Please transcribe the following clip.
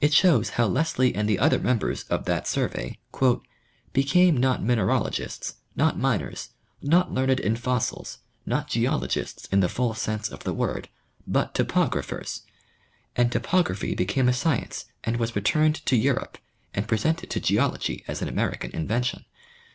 It shows how Lesley and the other members of that survey " became not mineralogists, not miners, not learned in fossils, not geologists in the full sense of the word, but topog raphers, and topography became a science and was returned to Europe and presented to geology as an American invention.